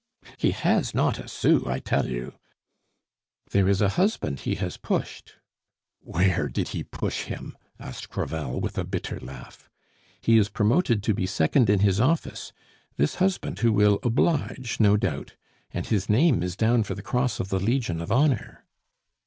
"He has not a sou, I tell you." "There is a husband he has pushed " "Where did he push him?" asked Crevel, with a bitter laugh. "He is promoted to be second in his office this husband who will oblige, no doubt; and his name is down for the Cross of the Legion of Honor."